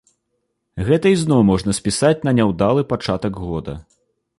Гэта ізноў можна спісаць на няўдалы пачатак года.